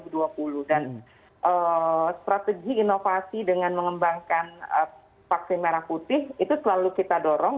dan strategi inovasi dengan mengembangkan vaksin merah putih itu selalu kita dorong